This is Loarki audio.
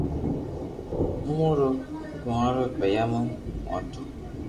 اووہ رو گوزارو پينيا مون ھوتو